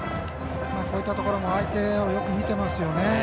こういったところも相手をよく見ていますね。